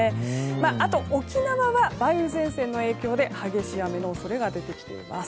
あと沖縄は梅雨前線の影響で激しい雨の恐れが出てきています。